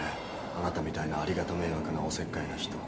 あなたみたいなありがた迷惑なお節介な人。